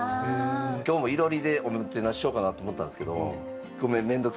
今日も囲炉裏でおもてなししようかなと思ったんですけど。